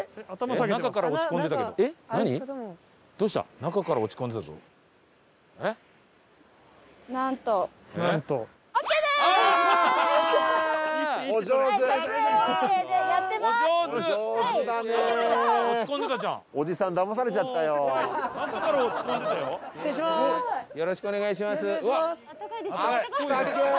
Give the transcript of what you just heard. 中から落ち込んでたよ。